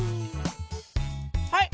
はい！